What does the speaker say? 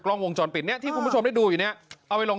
กล้องวงจรปิดเนี่ยที่คุณผู้ชมได้ดูอยู่เนี่ยเอาไปลง